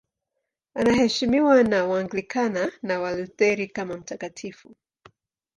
Anaheshimiwa na Waanglikana na Walutheri kama mtakatifu.